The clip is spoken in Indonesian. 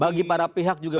bagi para pihak juga